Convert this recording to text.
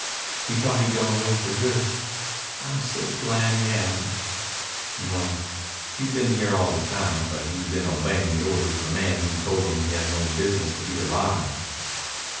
"We thought he'd gone away for good. I'm so glad he hasn't." "No. He's been here all the time, but he's been obeying the orders of a man who told him he had no business to be alive."